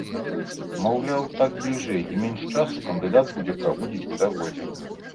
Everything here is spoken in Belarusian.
Маўляў, так бліжэй і менш часу кандыдат будзе праводзіць у дарозе.